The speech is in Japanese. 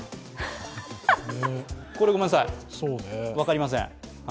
これ、ごめんなさい分かりません。